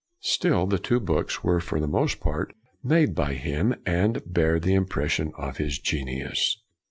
Still, the two books were for the most part made by him, and bear the impression of his genius.